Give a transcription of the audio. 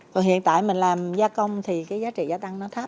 còn hiện tại mình làm gia công thì cái giá trị gia tăng nó thấp